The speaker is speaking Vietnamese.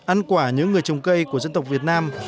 ăn quả nhớ người trồng cây của dân tộc việt nam